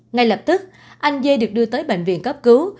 ngay lập tức anh dê được đưa tới bệnh viện cấp cứu